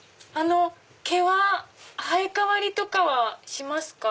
毛は生え替わりとかしますか？